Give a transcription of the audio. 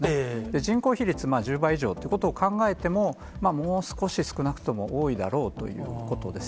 人口比率１０倍以上ということを考えても、もう少し少なくとも多いだろうということです。